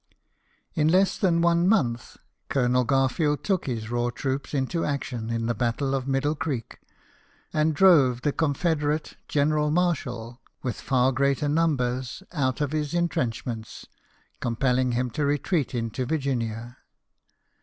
In less than one month, Colonel Garfield took his raw troops into action in the battle of Middle Creek, and drove the Confederate General Marshall, with far larger numbers, out of his intrenchments, compelling him to retreat into Virginia.